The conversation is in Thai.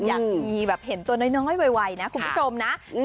อยากมีแบบเห็นตัวน้อยไวนะคุณผู้ชมนะ